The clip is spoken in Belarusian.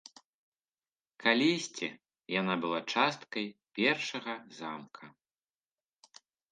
Калісьці яна была часткай першага замка.